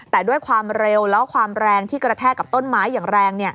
แต่ด้วยความเร็วและความแรงที่กระแทกกับต้นไม้อย่างแรง